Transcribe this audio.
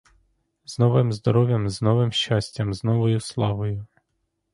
З новим здоров'ям, з новим щастям, з новою славою!